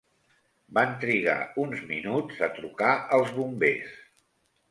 Van trigar uns minuts a trucar als bombers.